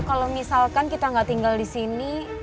kalau misalkan kita nggak tinggal di sini